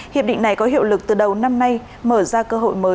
hiệp định này có hiệu lực từ đầu năm nay mở ra cơ hội mới